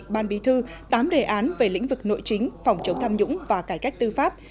ban bí thư tám đề án về lĩnh vực nội chính phòng chống tham nhũng và cải cách tư pháp